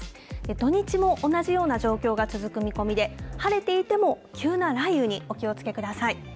土日も同じような状況が続く見込みで晴れていても急な雷雨にお気をつけください。